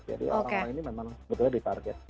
jadi orang orang ini memang sebetulnya di target